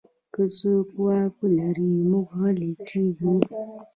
که څوک واک ولري، موږ غلی کېږو.